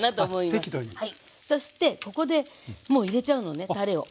そしてここでもう入れちゃうのねたれを。